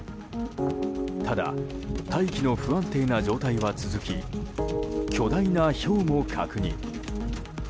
ただ、大気の不安定な状態が続き巨大なひょうも確認。